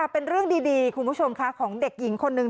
เป็นเรื่องดีคุณผู้ชมค่ะของเด็กหญิงคนหนึ่ง